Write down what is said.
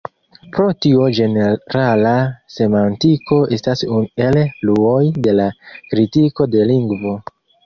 Pro tio ĝenerala semantiko estas unu el fluoj de la kritiko de lingvo.